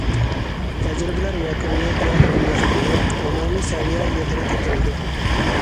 تەجرىبىلەر يەكۈنلىنىپ ۋە ئومۇملاشتۇرۇلۇپ، ئومۇمىي سەۋىيە يۇقىرى كۆتۈرۈلدى.